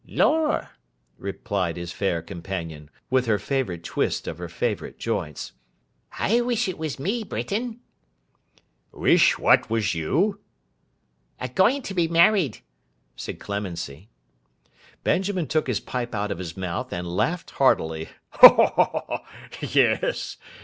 'Lor!' replied his fair companion, with her favourite twist of her favourite joints. 'I wish it was me, Britain!' 'Wish what was you?' 'A going to be married,' said Clemency. Benjamin took his pipe out of his mouth and laughed heartily. 'Yes!